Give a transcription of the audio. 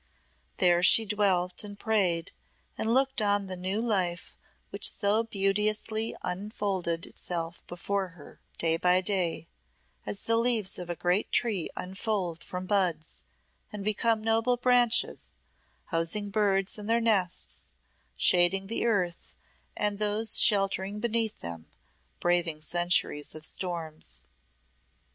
There she dwelt and prayed and looked on the new life which so beauteously unfolded itself before her day by day, as the leaves of a great tree unfold from buds and become noble branches, housing birds and their nests, shading the earth and those sheltering beneath them, braving centuries of storms.